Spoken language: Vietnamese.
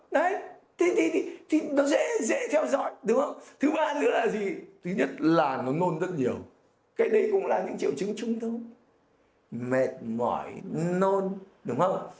đấy thì nó dễ theo dõi đúng không thứ ba nữa là gì thứ nhất là nó nôn rất nhiều cái đấy cũng là những triệu chứng chung thông mệt mỏi nôn đúng không